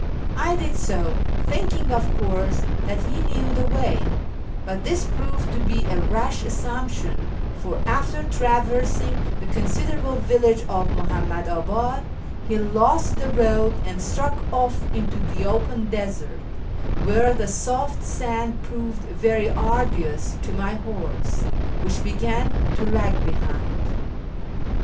I did so, thinking, of course, that he knew the way ; but this proved to be a rash assumption, for, after traversing the considerable village of Muhammadiibad, he lost the road and struck off into the open desert, where the soft sand proved very arduous to my horse, which began to lag behind.